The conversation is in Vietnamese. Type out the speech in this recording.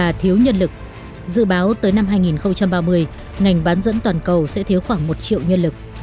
và thiếu nhân lực dự báo tới năm hai nghìn ba mươi ngành bán dẫn toàn cầu sẽ thiếu khoảng một triệu nhân lực